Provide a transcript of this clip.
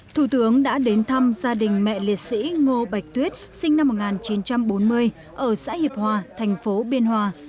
thủ tướng đã đến thăm gia đình mẹ liệt sĩ ngô bạch tuyết sinh năm một nghìn chín trăm bốn mươi ở xã hiệp hòa thành phố biên hòa